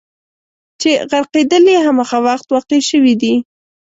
چې غرقېدل یې همغه وخت واقع شوي دي.